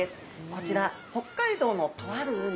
こちら北海道のとある海。